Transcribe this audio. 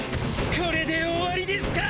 これで終わりですか？